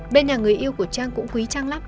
bên nhà người yêu của trang cũng quý trang lắp